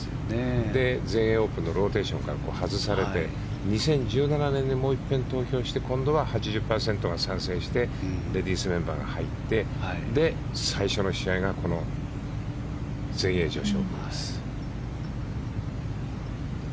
で、全英オープンのローテーションから外されて２０１７年でもう一遍投票して今度は８０％が賛成してレディースメンバーが入って最初の試合がこの全英女子オープンです。